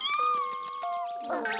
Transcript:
ああ。